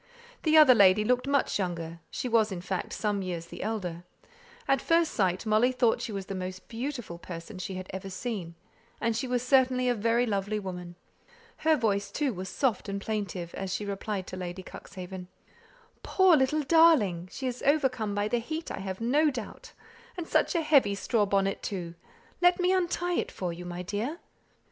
The other lady looked much younger, but she was in fact some years the elder; at first sight Molly thought she was the most beautiful person she had ever seen, and she was certainly a very lovely woman. Her voice, too, was soft and plaintive, as she replied to Lady Cuxhaven, "Poor little darling! she is overcome by the heat, I have no doubt such a heavy straw bonnet, too. Let me untie it for you, my dear."